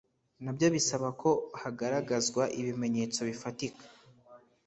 na byo bisaba ko hagaragazwa ibimenyetso bifatika